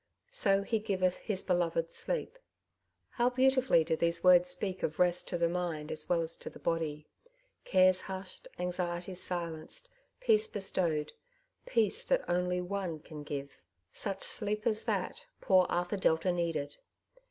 *^ So He giveth His beloved sleep.^* How beautifully do these words speak of rest to the mind as well as to the body. Cares hushed, anxieties silenced, peace bestowed — peace that only One can give. Such Bleep as that poor Arthur Delta needed.